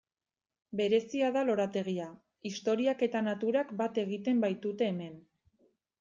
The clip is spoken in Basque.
Berezia da lorategia, historiak eta naturak bat egiten baitute hemen.